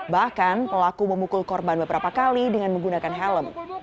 bahkan pelaku memukul korban beberapa kali dengan menggunakan helm